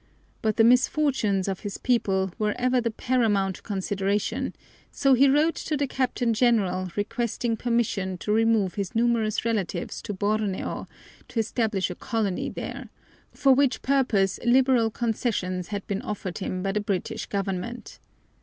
But the misfortunes of his people were ever the paramount consideration, so he wrote to the Captain General requesting permission to remove his numerous relatives to Borneo to establish a colony there, for which purpose liberal concessions had been offered him by the British government.